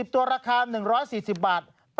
ตัวราคา๑๔๐บาท